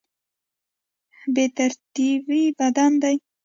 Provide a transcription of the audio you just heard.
بې ترتیبي بد دی.